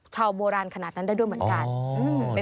โบราณขนาดนั้นได้ด้วยเหมือนกัน